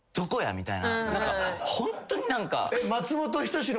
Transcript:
みたいなホントに何か。